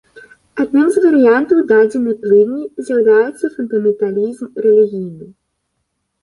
Адным з варыянтаў дадзенай плыні з'яўляецца фундаменталізм рэлігійны.